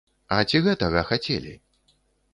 А ці гэтага хацелі?